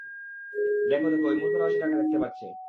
দেখো দেখো, ওই মূর্খরাও সেটা দেখতে পাচ্ছে।